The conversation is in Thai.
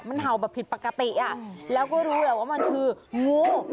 มันเห่าแบบผิดปกติแล้วก็รู้แหละว่ามันคืองู